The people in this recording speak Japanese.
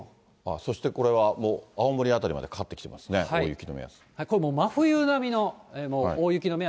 そしてこれは青森辺りまでかかってきてますね、大雪の目安。